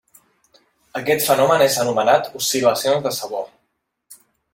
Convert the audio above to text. Aquest fenomen és anomenat oscil·lacions de sabor.